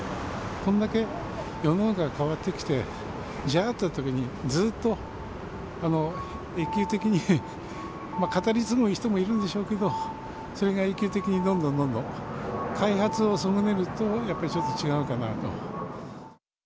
これだけ世の中が変わってきて、じゃあってときに、ずーっと永久的に語り継ぐ人もいるんでしょうけど、それが永久的にどんどんどんどん開発を損ねるというのは、やっぱりちょっと違うかなと。